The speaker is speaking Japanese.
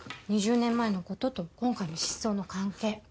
２０年前のことと今回の失踪の関係。